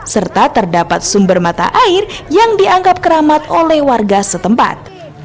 serta terdapat sumber mata air yang dianggap keramat oleh warga setempat